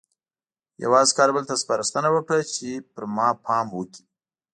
یوه عسکر بل ته سپارښتنه وکړه چې په ما پام وکړي